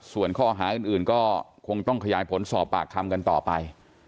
ส่วนข้อหาอื่นก็คงต้องขยายผลสอบปากคำกันต่อไป